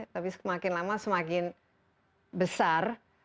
tapi semakin lama semakin besar